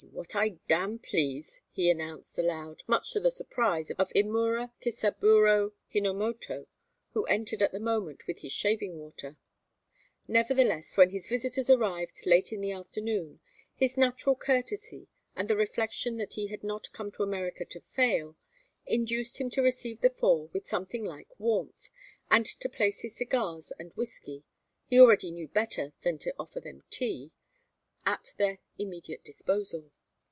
"I'll be what I damn please," he announced, aloud, much to the surprise of Imura Kisaburo Hinomoto who entered at the moment with his shaving water. Nevertheless, when his visitors arrived, late in the afternoon, his natural courtesy, and the reflection that he had not come to America to fail, induced him to receive the four with something like warmth, and to place his cigars and whiskey he already knew better than to offer them tea at their immediate disposal.